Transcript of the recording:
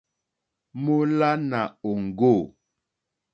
Mólánà òŋɡô.